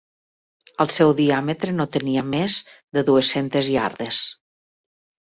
El seu diàmetre no tenia més de dues-centes iardes.